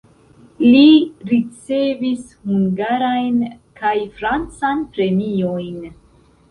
Li ricevis hungarajn kaj francan premiojn.